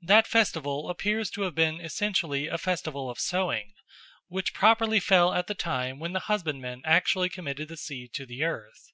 That festival appears to have been essentially a festival of sowing, which properly fell at the time when the husbandman actually committed the seed to the earth.